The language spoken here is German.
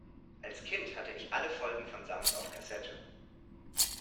Als Kind hatte ich alle Folgen vom Sams auf Kassette.